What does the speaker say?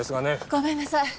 ごめんなさい。